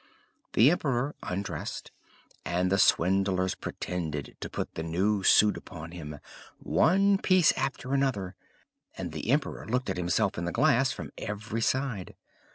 The emperor undressed, and the swindlers pretended to put the new suit upon him, one piece after another; and the emperor looked at himself in the glass from every side.